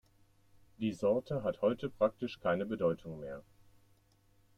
Die Sorte hat heute praktisch keine Bedeutung mehr.